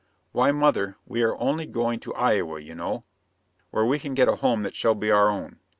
"Why, mother, we are only going to Iowa, you know, where we can get a home that shall be our own.